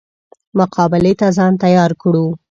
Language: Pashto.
مقابلې ته ځان تیار کړو.